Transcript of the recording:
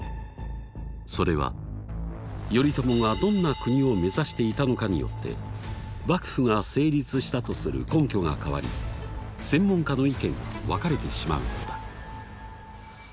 それは「頼朝がどんな国を目指していたのか？」によって幕府が成立したとする根拠が変わり専門家の意見が分かれてしまうのだ。